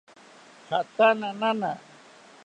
Jatana nana